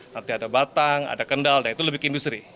nanti ada batang ada kendal nah itu lebih ke industri